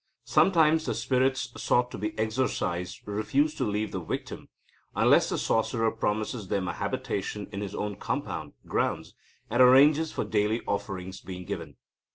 Sometimes the spirits sought to be exorcised refuse to leave the victim, unless the sorcerer promises them a habitation in his own compound (grounds), and arranges for daily offerings being given.